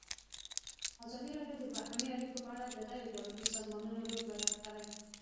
ازادي راډیو د بهرنۍ اړیکې په اړه د غیر دولتي سازمانونو رول بیان کړی.